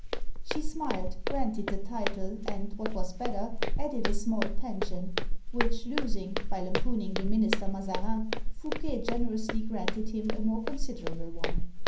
She smiled, granted the title, and, what was better, added a small pension, which losing, by lampooning the minister Mazarin, Fouquet generously granted him a more considerable one.